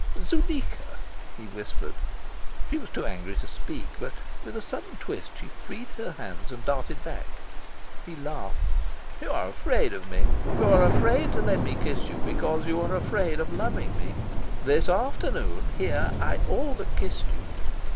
"Zuleika!" he whispered. She was too angry to speak, but with a sudden twist she freed her wrists and darted back. He laughed. "You are afraid of me. You are afraid to let me kiss you, because you are afraid of loving me. This afternoon here I all but kissed you.